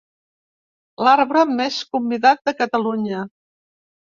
L'arbre més convidat de Catalunya.